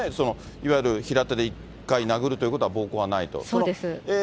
いわゆる平手で１回殴るということは、暴行はないと。